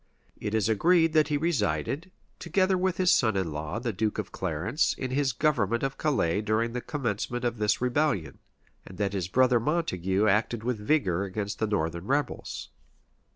It is agreed that he resided, together with his son in law, the duke of Clarence, in his government of Calais during the commencement of this rebellion; and that his brother Montague acted with vigor against the northern rebels.